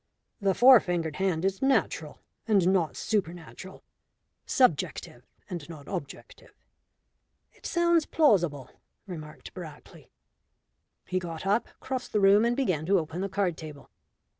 The four fingered hand is natural and not supernatural, subjective and not objective." "It sounds plausible," remarked Brackley. He got up, crossed the room, and began to open the card table.